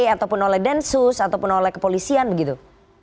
ataupun oleh densus ataupun oleh kepolisian begitu